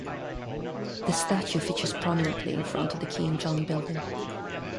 The statue features prominently in front of the Keen John Building.